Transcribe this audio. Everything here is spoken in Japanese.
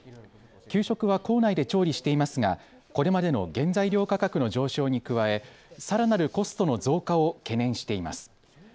給食は校内で調理していますがこれまでの原材料価格の上昇に加え、さらなるコストの増加を懸念しています。